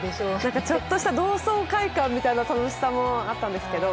ちょっとした同窓会感みたいな楽しさもあったんですけど。